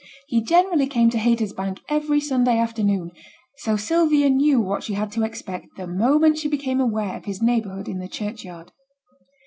He generally came to Haytersbank every Sunday afternoon, so Sylvia knew what she had to expect the moment she became aware of his neighbourhood in the churchyard.